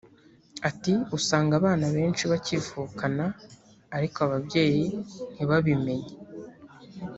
Ati “Usanga abana benshi bakivukana ariko ababyeyi ntibabimenye